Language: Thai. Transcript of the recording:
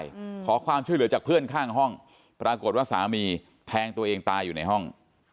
อืมขอความช่วยเหลือจากเพื่อนข้างห้องปรากฏว่าสามีแทงตัวเองตายอยู่ในห้อง